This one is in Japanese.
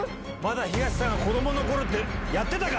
ヒガシさんが子供の頃ってやってたか？